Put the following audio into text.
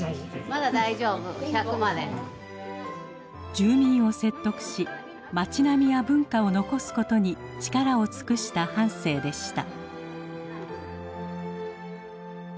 住民を説得し町並みや文化を残すことに力を尽くした半生でした。